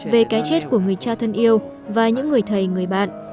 về cái chết của người cha thân yêu và những người thầy người bạn